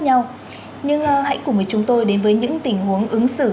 nhau nhưng hãy cùng với chúng tôi đến với những tình huống ứng xử